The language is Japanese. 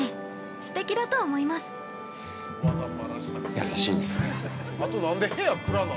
◆優しいんですね。